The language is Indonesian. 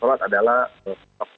terlalu tidak boleh melakukan check out